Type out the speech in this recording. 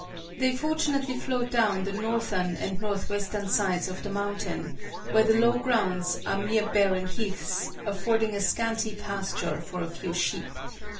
They fortunately flowed down the northern and northwestern sides of the mountain, where the low grounds are mere barren heaths, affording a scanty pasture for a few sheep.